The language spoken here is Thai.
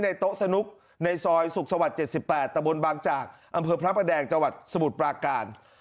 โต๊ะสนุกในซอยสุขสวรรค์๗๘ตะบนบางจากอำเภอพระประแดงจังหวัดสมุทรปราการ